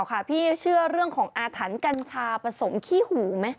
ข้าวคิดเรื่องของอาถรรย์กันชาผสมขี้หู